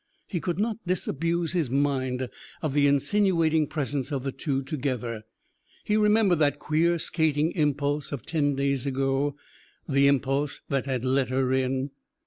He could not disabuse his mind of the insinuating presence of the two together. He remembered that queer skating impulse of ten days ago, the impulse that had let her in.